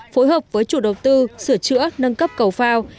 phối hợp với chủ đầu tư sửa chữa nâng cấp cầu phao